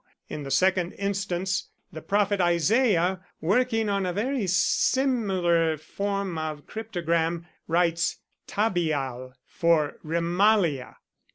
In the second instance the prophet Isaiah, working on a very similar form of cryptogram, writes 'Tabeal' for 'Remaliah.'